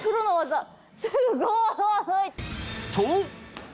すごい！と！